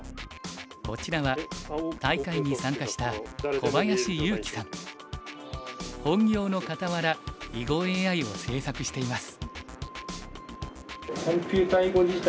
こちらは大会に参加した本業のかたわら囲碁ＡＩを制作しています。